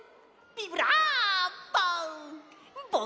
ビブラーボ！